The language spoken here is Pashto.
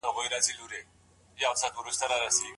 ده په سختۍ سره یو بل ګام پورته کړ.